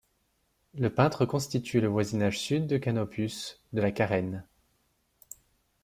Le Peintre constitue le voisinage Sud de Canopus, de la Carène.